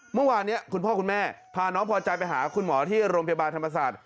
เมื่อวานนี้คุณพ่อคุณแม่พาน้องพอใจไปหาคุณหมอที่โรงพยาบาลธรรมศาสตร์